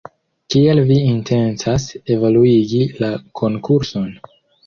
Kiel vi intencas evoluigi la konkurson?